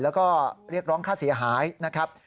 แล้วก็เรียกร้องค่าเสียหายนะครับ